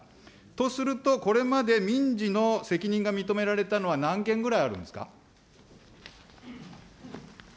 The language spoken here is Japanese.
とすると、これまで民事の責任が認められたのは、何件ぐらいあるんですか。